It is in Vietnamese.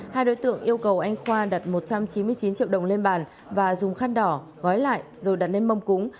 hai đối tượng yêu cầu anh khoa đặt một trăm chín mươi chín triệu đồng lên bàn và dùng khăn đỏ gói lại rồi đặt lên mông cúng